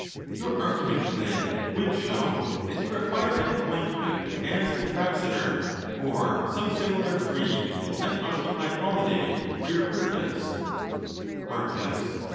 —Your argument, then, would. show that you re _ quire an appointment as ambassador, or some similar free and unoccupied holiday, for _ Pee) ON THE LAWS. 403 Marcus.